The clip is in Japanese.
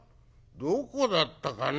「どこだったかね